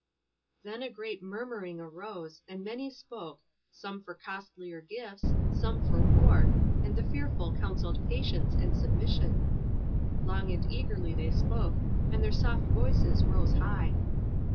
Then a great murmuring arose, and many spoke, some for costlier gifts, some for war; and the fearful counselled patience and submission. Long and eagerly they spoke, and their soft voices rose high.